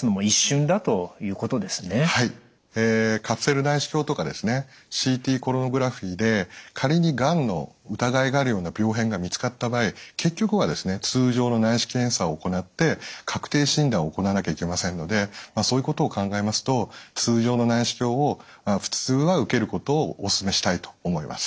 カプセル内視鏡とかＣＴコロノグラフィーで仮にがんの疑いがあるような病変が見つかった場合結局は通常の内視鏡検査を行って確定診断を行わなきゃいけませんのでそういうことを考えますと通常の内視鏡を普通は受けることをおすすめしたいと思います。